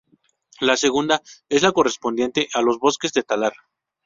La segunda es la correspondiente a los bosques de talar.